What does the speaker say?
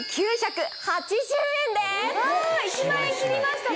１万円切りましたね。